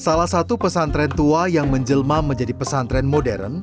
salah satu pesantren tua yang menjelma menjadi pesantren modern